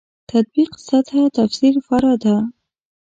تطبیق سطح تفسیر فرع ده.